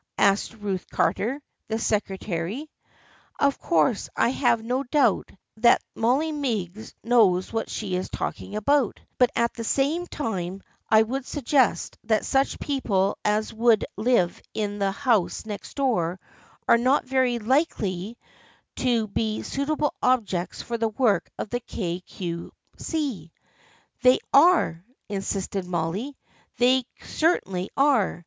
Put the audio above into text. " asked Ruth Carter, the secretary. " Of course I have no doubt that Molly Meigs knows what she is talking about, but at the same time I would suggest that such people as would live in the house next door are not very likely to be suitable objects for the work of the Kay Cue See." " They are," insisted Molly. " They certainly are.